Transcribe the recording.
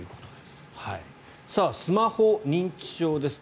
スマホ認知症です。